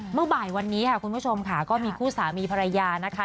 เมื่อบ่ายวันนี้ค่ะคุณผู้ชมค่ะก็มีคู่สามีภรรยานะคะ